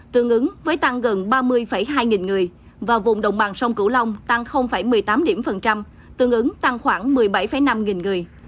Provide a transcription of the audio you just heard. tương ứng với tăng gần ba mươi hai nghìn người và vùng đồng bằng sông cửu long tăng một mươi tám điểm phần trăm tương ứng tăng khoảng một mươi bảy năm nghìn người